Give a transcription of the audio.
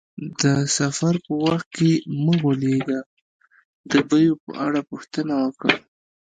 د سفر په وخت کې مه غولیږه، د بیو په اړه پوښتنه وکړه.